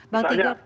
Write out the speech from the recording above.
bang tigor baik